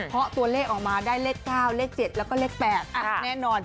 เพราะตัวเลขออกมาได้เลข๙เลข๗แล้วก็เลข๘แน่นอน